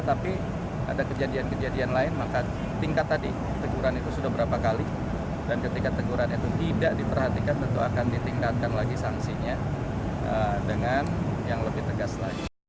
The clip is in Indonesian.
akan ditingkatkan lagi sanksinya dengan yang lebih tegas lagi